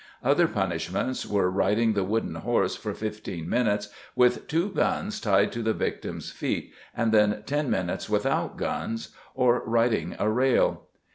" Other punishments were riding the wooden horse for fifteen minutes with two guns tied to the victim's feet and then ten minutes without guns, or riding a rail.